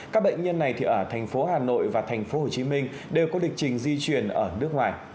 các bệnh nhân này ở thành phố hà nội và thành phố hồ chí minh đều có địch trình di chuyển ở nước ngoài